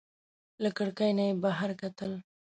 له کړکۍ نه یې بهر کتل.